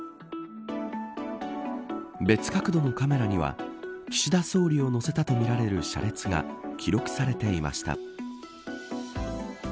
別角度のカメラには岸田総理を乗せたとみられる車列が記録されていました。